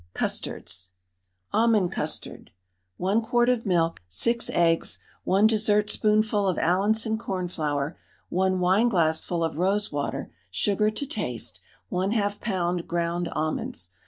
CUSTARDS ALMOND CUSTARD. 1 quart of milk, 6 eggs, 1 dessertspoonful of Allinson cornflour, 1 wineglassful of rosewater, sugar to taste, 1/2 lb. ground almonds.